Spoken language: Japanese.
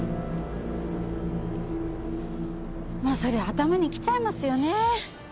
まあそりゃ頭にきちゃいますよね。